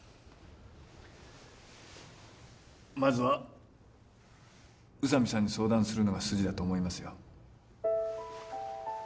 まずは宇佐美さんに相談するのが筋だと思いますよ